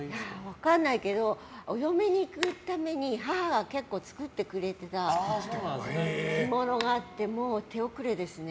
分かんないけどお嫁に行くために母が結構作ってくれた着物があってもう手遅れですね。